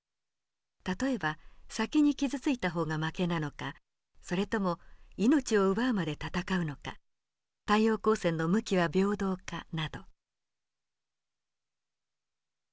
例えば先に傷ついた方が負けなのかそれとも命を奪うまで戦うのか太陽光線の向きは平等かなど。